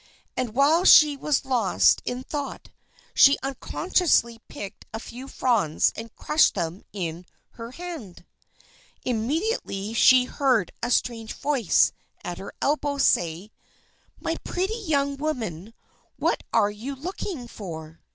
And while she was lost in thought, she unconsciously picked a few fronds and crushed them in her hand. Immediately she heard a strange voice at her elbow say: "My pretty young woman, what are you looking for?"